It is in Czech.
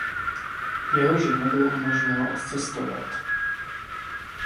Jeho ženě bylo umožněno odcestovat.